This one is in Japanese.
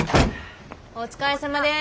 お疲れさまです。